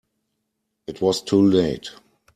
It was too late.